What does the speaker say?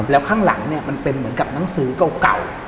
แล้วข้างหลังเนี่ยมันเป็นเหมือนกับหนังสือเก่า